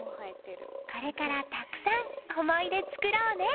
これからたくさん思い出作ろうね。